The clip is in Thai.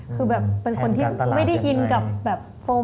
คือแบบเป็นคนที่ไม่ได้อินกับแบบโฟม